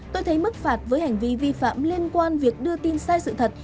tôi thấy mức phạt với hành vi vi phạm liên quan việc đưa tin sai sự thật